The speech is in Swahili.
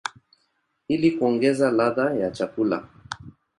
ili kuongeza ladha ya chakula.